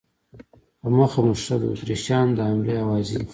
په مخه مو ښه، د اتریشیانو د حملې آوازې دي.